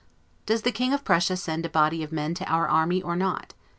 Does the King of Prussia send a body of men to our army or not?